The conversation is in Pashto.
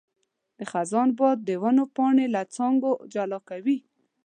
د خزان باد د ونو پاڼې له څانګو جلا کوي.